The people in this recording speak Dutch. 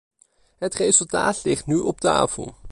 Het resultaat ligt nu op tafel.